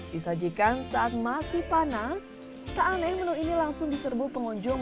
disajikan saat masih panas tak aneh menu ini langsung diserbu pengunjung